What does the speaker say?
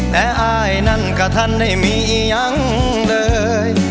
แม้อ้ายนั้นกะทั้งไม่มียังเลย